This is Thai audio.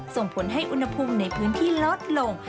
ส่งผลให้อุณหภูมิในพื้นที่ลดลง